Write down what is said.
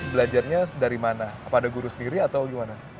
belajarnya dari mana apa ada guru sendiri atau gimana